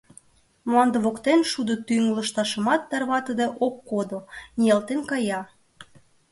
Мланде воктен шудо тӱҥ лышташымат тарватыде ок кодо, ниялтен кая.